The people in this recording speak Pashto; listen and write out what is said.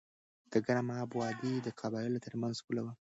د ګرم آب وادي د قبایلو ترمنځ پوله وه.